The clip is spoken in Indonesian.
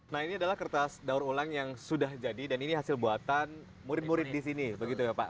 nah ini adalah kertas daur ulang yang sudah jadi dan ini hasil buatan murid murid di sini begitu ya pak